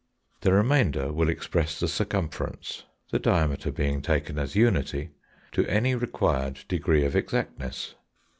The remainder will express the circumference (the diameter being taken as unity) to any required degree of exactness.